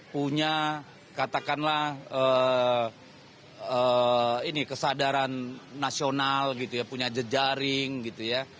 punya katakanlah ini kesadaran nasional gitu ya punya jejaring gitu ya